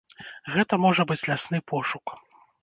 Гэта можа быць лясны пошук.